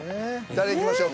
誰いきましょう？